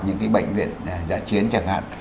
những cái bệnh viện giả chiến chẳng hạn